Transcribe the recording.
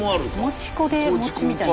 餅粉で餅みたいな。